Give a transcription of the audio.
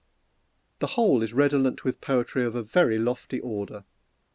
The whole is redolent with poetry of a very lofty order.